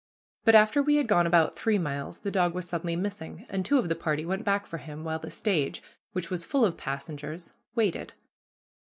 But after we had gone about three miles the dog was suddenly missing, and two of the party went back for him, while the stage, which was full of passengers, waited.